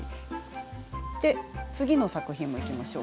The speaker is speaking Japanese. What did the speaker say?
次の作品もいきましょう。